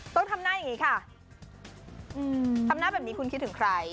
ต้องทำหน้าอย่างนี้ค่ะทำหน้าแบบนี้คุณคิดถึงใคร